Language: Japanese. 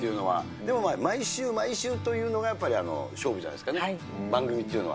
でもまあ、毎週毎週っていうのがやっぱり勝負じゃないですかね、番組というのは。